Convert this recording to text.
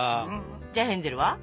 じゃあヘンゼルは？